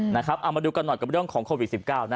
เอามาดูกันหน่อยกับเรื่องของโควิด๑๙